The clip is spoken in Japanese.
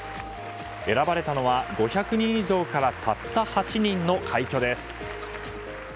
選ばれたのは５００人以上からたった８人の快挙です。